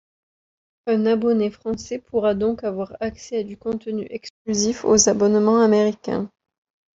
Un abonné français pourra donc avoir accès à du contenu exclusif aux abonnements américains.